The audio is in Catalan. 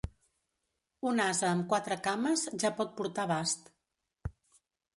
Un ase amb quatre cames ja pot portar bast.